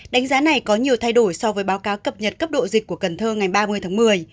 đánh giá này có nhiều thay đổi so với báo cáo cập nhật cấp độ dịch của cần thơ ngày ba mươi tháng một mươi